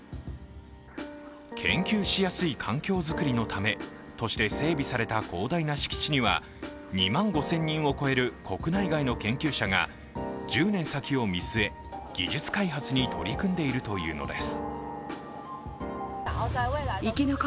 研究しやすい環境作りのためとして整備された広大な敷地には２万５０００人を超える国内外の研究者が１０年先を見据え技術開発に取り組んでいるというのです。